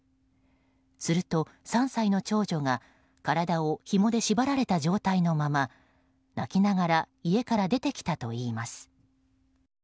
すると、３歳の長女が体をひもで縛られた状態のまま泣きながら家から出てきたといいます。